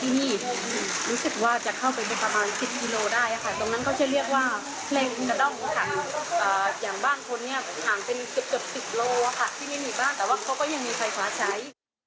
ที่นี่มีบ้านแต่ว่าเขาก็ยังมีไฟฟ้าใช้